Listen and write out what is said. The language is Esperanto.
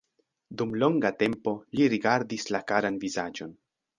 Dum longa tempo li rigardis la karan vizaĝon.